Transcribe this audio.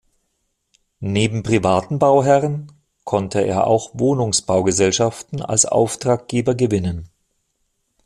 Neben privaten Bauherren konnte er auch Wohnungsbaugenossenschaften als Auftraggeber gewinnen.